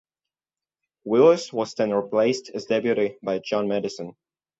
Willis was then replaced as Deputy by John Maddison.